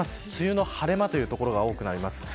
梅雨の晴れ間という所が多くなります。